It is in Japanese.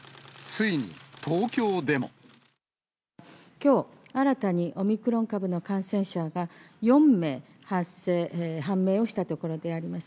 きょう、新たにオミクロン株の感染者が、４名判明をしたところであります。